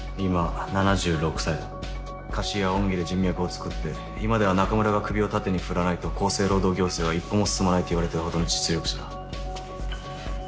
貸しや恩義で人脈を作って今では仲村が首を縦に振らないと厚生労働行政は一歩も進まないと言われてるほどの実力者だ。